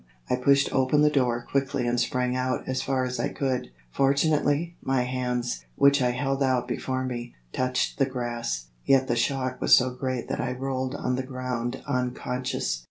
I pushed open the door quickly and sprang out as far as I could. Fortunately, my hands, which I held out before me, touched the grass, yet the shock was so great that I rolled on the ground unconscious.